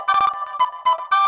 kau mau kemana